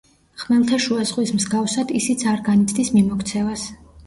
ხმელთაშუა ზღვის მსგავსად ისიც არ განიცდის მიმოქცევას.